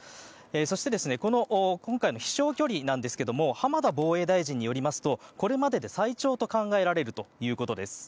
そして今回の飛翔距離なんですが浜田防衛大臣によりますとこれまでで最長と考えられるということです。